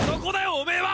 おめぇは！